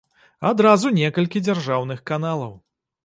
Адразу некалькі дзяржаўных каналаў.